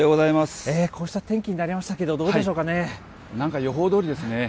こうした天気になりましたけなんか予報どおりですね。